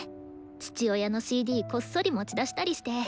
父親のＣＤこっそり持ち出したりして。